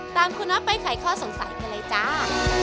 ตามคุณน็อตไปไขข้อสงสัยกันเลยจ้า